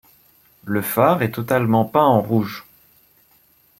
Le phare est totalement peint en rouge.